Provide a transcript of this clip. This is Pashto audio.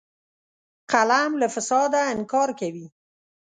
قلم له فساده انکار کوي